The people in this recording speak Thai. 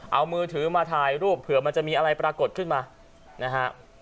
เอามือถือมาถ่ายรูปเผื่อมันจะมีอะไรปรากฏขึ้นมานะฮะ